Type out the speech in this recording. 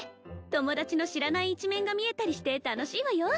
友達の知らない一面が見えたりして楽しいわよ